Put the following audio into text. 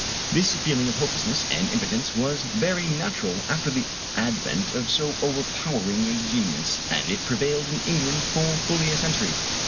This feeling of hopelessness and impotence was very natural after the advent of so overpowering a genius, and it prevailed in England for fully a century.